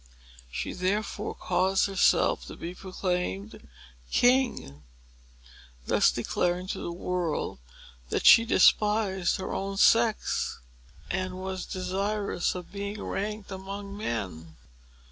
She therefore caused herself to be proclaimed KING, thus declaring to the world that she despised her own sex, and was desirous of being ranked among men.